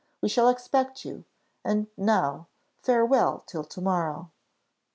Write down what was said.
We shall expect you; and now, farewell till to morrow."